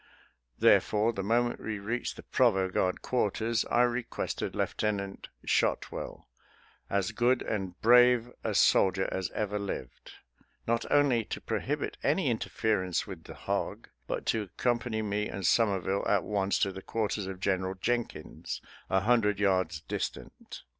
Therefore, the moment we reached the provost guard quarters, I requested Lieutenant Shot 156 SOLDIER'S LETTERS TO CHARMING NELLIE well, as good and brave a soldier as ever lived, not only to prohibit any interference with the hog, but to accompany me and Somerville at once to the quarters of General Jenkins, a hun dred yards distant.